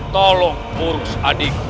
tolong urus adikku